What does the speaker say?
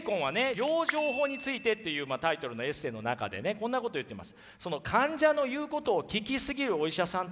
「養生法について」というタイトルのエッセーの中でねこんなこと言ってます。